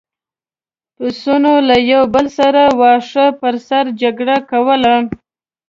پسونو له یو بل سره د واښو پر سر جګړه کوله.